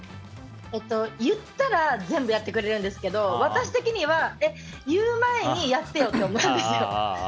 言ったら全部やってくれるんですけど私的には言う前にやってよって思います。